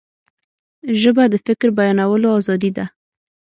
ژبه د فکر بیانولو آزادي ده